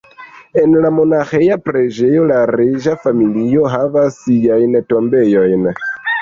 En la monaĥeja preĝejo la reĝa familio havas siajn tombojn.